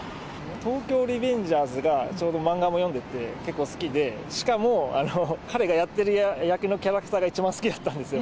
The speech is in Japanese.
東京リベンジャーズが、ちょうど漫画も読んでて、結構好きで、しかも彼がやってる役のキャラクターが一番好きだったんですよ。